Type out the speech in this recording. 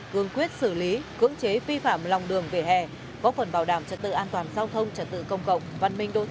cương quyết xử lý cưỡng chế vi phạm lòng đường về hè bốc phần bảo đảm trật tự an toàn giao thông trật tự công cộng văn minh đô thị trên địa bàn